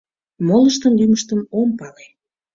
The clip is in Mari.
Молыштын лӱмыштым ом пале...